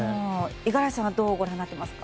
五十嵐さんはどうご覧になっていますか。